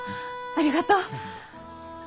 ありがとう。